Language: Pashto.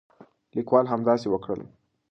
لیکوال همداسې وکړل.